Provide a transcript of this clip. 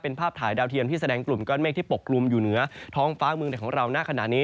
เป็นภาพถ่ายดาวเทียมที่แสดงกลุ่มก้อนเมฆที่ปกลุ่มอยู่เหนือท้องฟ้าเมืองในของเราณขณะนี้